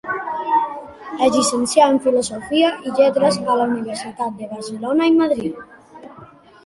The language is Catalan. Es llicencià en Filosofia i Lletres a la Universitat de Barcelona i Madrid.